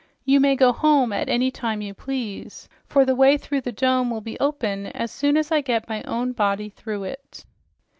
"You may go home at any time you please, for the way through the dome will be open as soon as I get my own body through it."